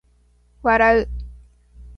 笑う